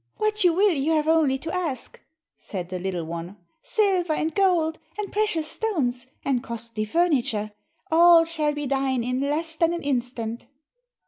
"What you will you have only to ask," said the little one, "silver and gold, and precious stones, and costly furniture all shall be thine in less than an instant."